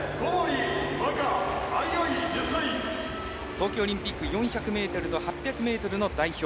東京オリンピック４００ｍと８００の代表。